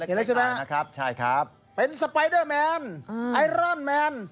เล็กใช่ไหมนะครับใช่ครับเป็นสไปเดอร์แมนไอรอนแมน